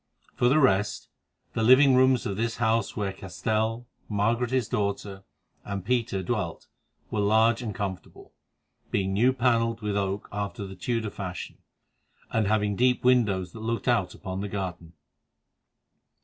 For the rest, the living rooms of this house where Castell, Margaret his daughter, and Peter dwelt, were large and comfortable, being new panelled with oak after the Tudor fashion, and having deep windows that looked out upon the garden.